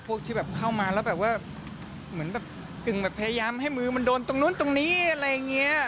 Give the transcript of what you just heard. ที่แบบเข้ามาแล้วแบบว่าเหมือนแบบกึ่งแบบพยายามให้มือมันโดนตรงนู้นตรงนี้อะไรอย่างเงี้ย